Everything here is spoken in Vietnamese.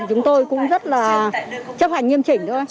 chúng tôi cũng rất là chấp hành nghiêm chỉnh